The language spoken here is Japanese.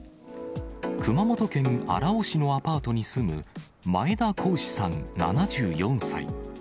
熊本県荒尾市のアパートに住む前田好志さん７４歳。